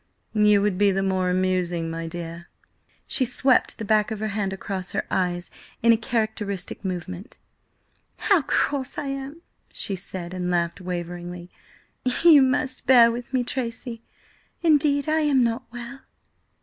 "You would be the more amusing, my dear." She swept the back of her hand across her eyes in a characteristic movement. "How cross I am!" she said, and laughed waveringly. "You must bear with me, Tracy. Indeed, I am not well."